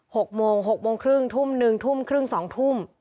หกโมงหกโมงครึ่งทุ่มหนึ่งทุ่มครึ่งสองทุ่ม